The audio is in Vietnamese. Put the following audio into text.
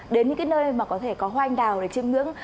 đến những nơi có hoa anh đào để chiêm ngưỡng